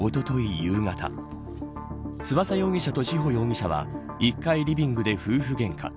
夕方翼容疑者と志保容疑者は１階リビングで夫婦げんか。